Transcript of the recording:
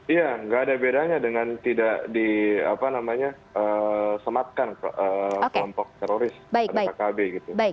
iya tidak ada bedanya dengan tidak disematkan kelompok teroris dari kkb